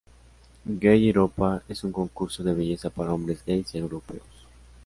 Gay Europa, es un concurso de belleza para hombres gais europeos.